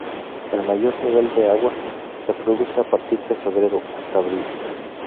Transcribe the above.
El mayor nivel de agua se produce a partir de febrero, hasta abril.